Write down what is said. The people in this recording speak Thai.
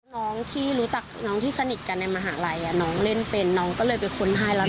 น้องที่รู้จักน้องที่สนิทกันในมหาลัยน้องเล่นเป็นน้องก็เลยไปค้นให้แล้ว